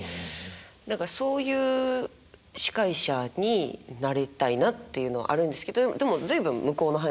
だからそういう司会者になりたいなっていうのはあるんですけどでも随分向こうの話ですよ。